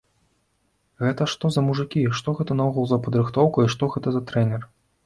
Гэта што за мужыкі, што гэта наогул за падрыхтоўка і што гэта за трэнер?